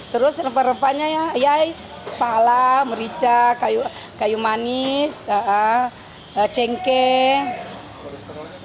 terus rempah rempahnya ya pala merica kayu manis cengkeh